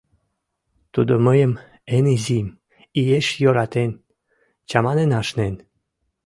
Тудо мыйым, эн изим, иеш йӧратен, чаманен ашнен.